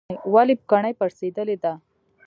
ولې پوکڼۍ پړسیدلې ده؟